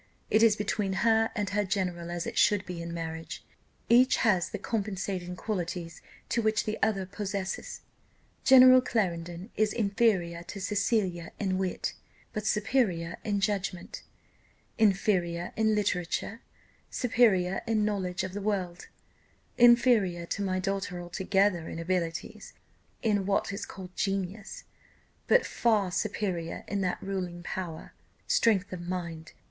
It is between her and her general as it should be in marriage, each has the compensating qualities to those which the other possesses: General Clarendon is inferior to Cecilia in wit, but superior in judgment; inferior in literature, superior in knowledge of the world; inferior to my daughter altogether in abilities, in what is called genius, but far superior in that ruling power, strength of mind.